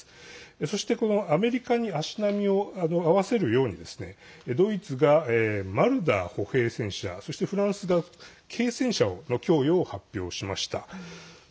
そして、アメリカに足並みを合わせるようにドイツがマルダー歩兵戦車そして、フランスが軽戦車の供与を発表しました。